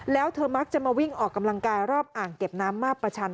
แล้วเธอมักจะมาวิ่งออกกำลังกายรอบอ่างเก็บน้ำมาประชัน